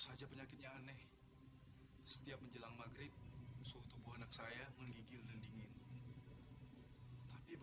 saya dipinjamkan uang empat ratus ribu tapi harus mengembalikannya lima ratus ribu